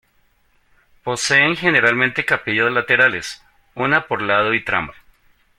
Poseen generalmente capillas laterales, una por lado y tramo.